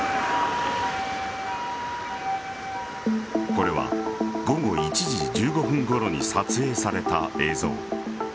これは午後１時１５分ごろに撮影された映像。